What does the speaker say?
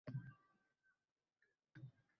garchi u yolg’iz ishlasa-da